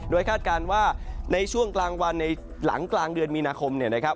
คาดการณ์ว่าในช่วงกลางวันในหลังกลางเดือนมีนาคมเนี่ยนะครับ